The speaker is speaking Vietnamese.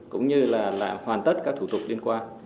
cũng như là hoàn tất các thủ tục liên quan